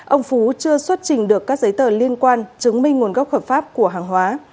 ông phú chưa xuất trình được các giấy tờ liên quan chứng minh nguồn gốc hợp pháp của hàng hóa